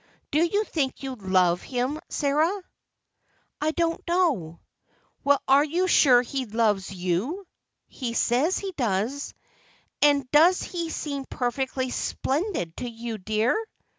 Do you think you love him, Sarah?" "I don't know." "Well, you are sure he loves you?" "He says he does." "And does he seem perfectly splendid to you, dear?"